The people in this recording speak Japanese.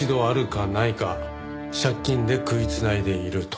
借金で食い繋いでいると。